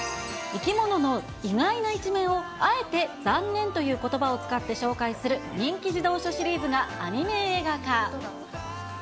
生き物の意外な一面を、あえてざんねんということばを使って紹介する人気児童書シリーズがアニメ映画化。